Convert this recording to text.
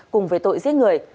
cùng với tội giết người